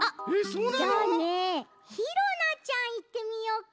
じゃあねひろなちゃんいってみようか。